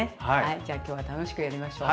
じゃあ今日は楽しくやりましょう。